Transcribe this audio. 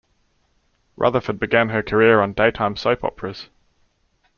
Rutherford began her career on daytime soap operas.